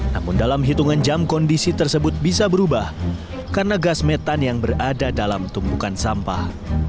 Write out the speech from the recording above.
namun dalam hitungan jam kondisi tersebut bisa berubah karena gas metan yang berada dalam tumpukan sampah